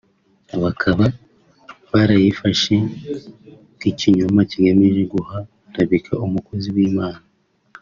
Bakaba barayifashe nk’ikinyoma kigamije guharabika umukozi w’Imana